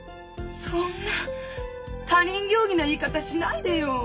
そんな他人行儀な言い方しないでよ。